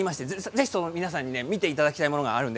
ぜひ皆さんに見ていただきたいものがあります。